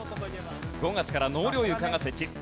５月から納涼床が設置。